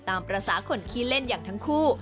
ตามภาษาคนขี้เล่นอย่างทั้งคู่